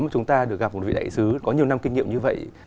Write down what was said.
chúng ta được gặp một vị đại sứ có nhiều năm kinh nghiệm như vậy